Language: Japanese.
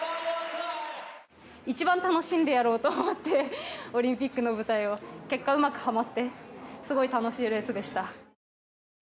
一番楽しんでやろうと思ってオリンピックの舞台を結果うまくはまってすごく楽しいレースでした。